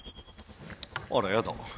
あらやだ！